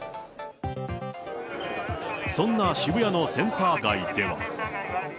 そんな渋谷のセンター街では。